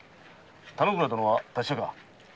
田之倉殿は達者か？